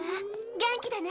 元気でね！